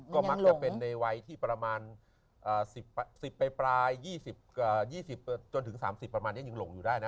ก็มักจะเป็นในวัยที่ประมาณ๑๐ไปปลาย๒๐จนถึง๓๐ประมาณนี้ยังหลงอยู่ได้นะ